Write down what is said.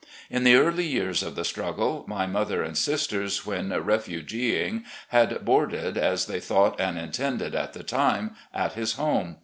In the early years of the struggle, my mother and sisters, when " refugeeing, " had boarded, as they thought and intended at the time, at his home.